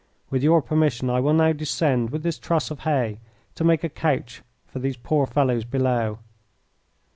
With your permission I will now descend with this truss of hay to make a couch for these poor fellows below."